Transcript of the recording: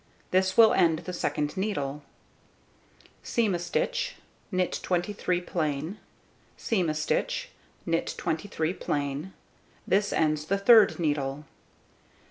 This will end the second needle. Seam a stitch, knit 23 plain, seam a stitch, knit 23 plain. This ends the third needle.